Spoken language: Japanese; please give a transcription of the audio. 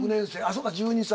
そうか１２歳。